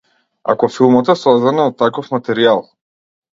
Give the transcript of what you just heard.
Ако филмот е создаден од таков материјал.